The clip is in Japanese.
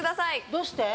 どうして？